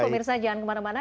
pak mirsa jangan kemana mana